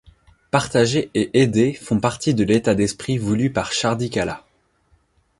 Partager et aider font partie de l'état d'esprit voulu par Chardi Kala.